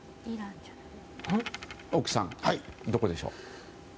大木さん、どこでしょう。